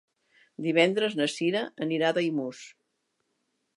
Divendres na Cira anirà a Daimús.